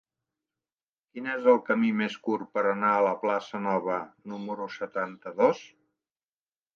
Quin és el camí més curt per anar a la plaça Nova número setanta-dos?